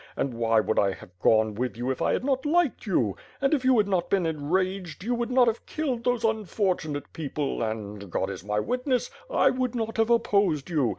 And why would I have gone with you if I had not liked you? And if you had not been enraged you would noi have killed those unfortunate people and, (God is my witness) I would not have opposed you.